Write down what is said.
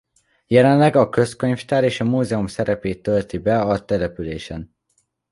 Jelenleg a Közkönyvtár és a Múzeum szerepét tölti be a településen.